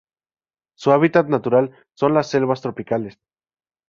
Su hábitat natural son las selvas tropicales.